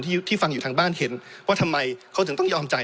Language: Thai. ที่ที่ฟังอยู่ทางบ้านเห็นว่าทำไมเขาถึงต้องยอมจ่าย